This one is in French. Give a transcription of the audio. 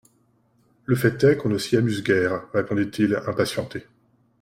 Le fait est qu'on ne s'y amuse guère, répondit-il, impatienté.